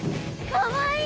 かわいい！